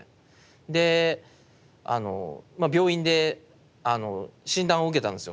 で病院で診断を受けたんですよ。